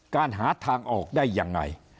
หาทางออกได้ยังไง